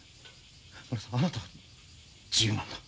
ムラさんあなたは自由なんだ。